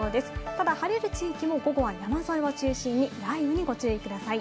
ただ晴れる地域も午後は山沿いを中心に雷雨にご注意ください。